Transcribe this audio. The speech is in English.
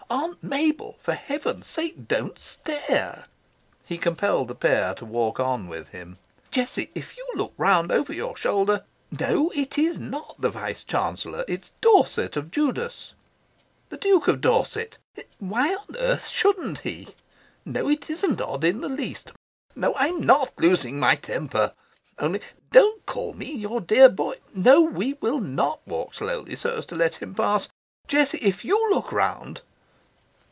"Aunt Mabel, for heaven's sake don't stare." He compelled the pair to walk on with him. "Jessie, if you look round over your shoulder... No, it is NOT the Vice Chancellor. It's Dorset, of Judas the Duke of Dorset... Why on earth shouldn't he?... No, it isn't odd in the least... No, I'm NOT losing my temper. Only, don't call me your dear boy... No, we will NOT walk slowly so as to let him pass us... Jessie, if you look round..."